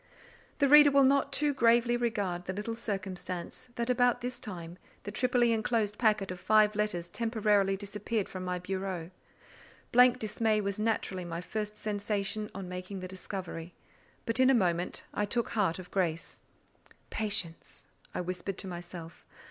The reader will not too gravely regard the little circumstance that about this time the triply enclosed packet of five letters temporarily disappeared from my bureau. Blank dismay was naturally my first sensation on making the discovery; but in a moment I took heart of grace. "Patience!" whispered I to myself.